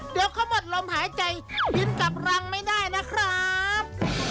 เดี๋ยวเขาหมดลมหายใจบินกลับรังไม่ได้นะครับ